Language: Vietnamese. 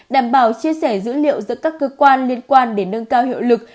đảm bảo chia sẻ dữ liệu giữa các cơ quan liên quan để nâng cao hiệu lực